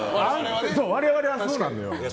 我々はそうなのよ。